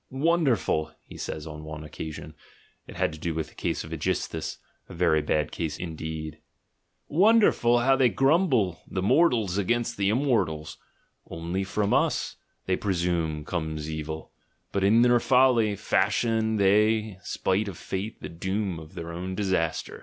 "Wonderful," says he on one occasion — it has to do with the case of vEgistheus, a very bad case indeed — "Wonderful how they grumble, the mortals against the immortals 9 o THE GENEALOGY OF MORALS Only jrom us, they presume, comes evil, but in their folly, Fashion they, spite of fate, the doom of their own dis aster."